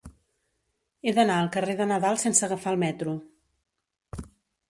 He d'anar al carrer de Nadal sense agafar el metro.